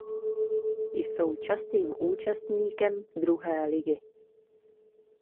Jsou častým účastníkem druhé ligy.